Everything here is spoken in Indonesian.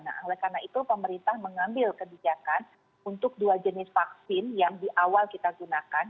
nah oleh karena itu pemerintah mengambil kebijakan untuk dua jenis vaksin yang di awal kita gunakan